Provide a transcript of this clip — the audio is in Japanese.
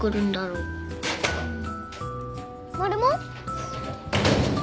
うん。